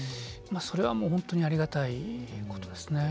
あそれはもう本当にありがたいことですね。